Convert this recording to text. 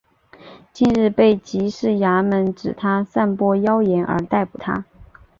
近日被缉事衙门指他散播妖言而逮捕他。